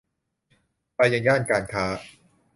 ไปยังย่านการค้า